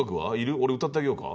俺歌ってあげようか？